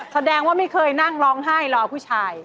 แสดงว่าไม่เคยนั่งร้องไห้รอผู้ชาย